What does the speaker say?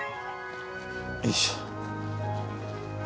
よいしょ。